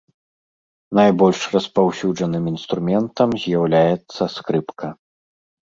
Найбольш распаўсюджаным інструментам з'яўляецца скрыпка.